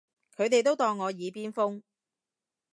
佢哋都當我耳邊風